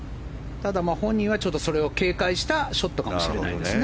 ただ、本人はそれを警戒したショットかもしれないですね